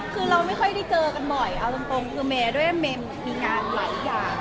คือเราไม่ค่อยได้เจอกันบ่อยเอาตรงคือเมย์ด้วยเมย์มีงานหลายอย่าง